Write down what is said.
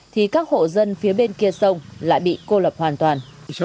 thì các hộ dân phía bên kia sông lại bị cô lập hoàn toàn